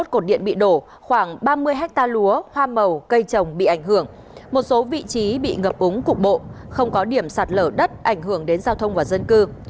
hai mươi cột điện bị đổ khoảng ba mươi hectare lúa hoa màu cây trồng bị ảnh hưởng một số vị trí bị ngập úng cục bộ không có điểm sạt lở đất ảnh hưởng đến giao thông và dân cư